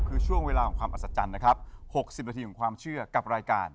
คือช่วงเวลาของความอัศจรรย์นะครับ๖๐นาทีของความเชื่อกับรายการ